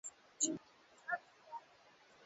Kifo hutokea kati ya siku baada ya mnyama kuanguka